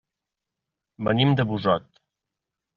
Venim de Busot.